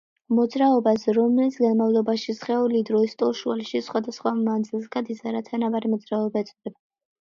მოძრაობას, რომლის განმალობაში სხეული დროის ტოლ შუალედში სხვადასხვა მანძილს გადის, არათანაბარი მოძრაობა ეწოდება.